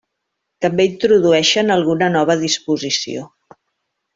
També introdueixen alguna nova disposició.